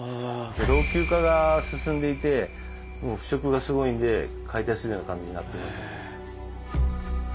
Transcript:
老朽化が進んでいてもう腐食がすごいんで解体するような感じになっています。